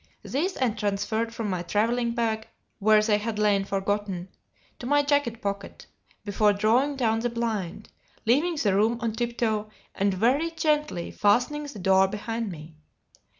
These I transferred from my travelling bag (where they had lain forgotten to my jacket pocket), before drawing down the blind, leaving the room on tip toe, and very gently fastening the door behind me.